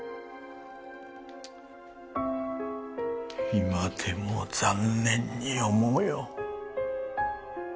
今でも残念に思うよ。